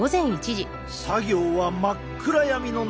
作業は真っ暗闇の中。